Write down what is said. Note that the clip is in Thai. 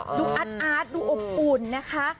ดูอัดดูอบปุ่นนะคะ